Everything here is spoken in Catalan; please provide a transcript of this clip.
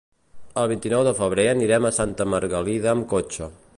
El vint-i-nou de febrer anirem a Santa Margalida amb cotxe.